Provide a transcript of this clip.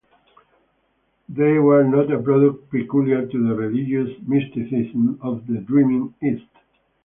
They were not a product peculiar to the religious mysticism of the dreamy East.